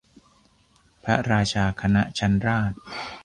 พระราชาคณะชั้นราช